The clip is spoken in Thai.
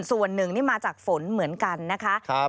ส่วนหนึ่งนี่มาจากฝนเหมือนกันนะคะ